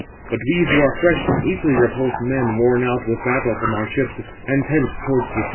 510 But we [who are] fresh, can easily repulse men worn out with battle from our ships and tents towards the city."